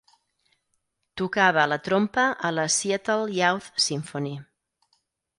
Tocava la trompa a la Seattle Youth Symphony.